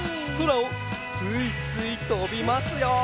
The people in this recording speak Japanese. そらをすいすいとびますよ！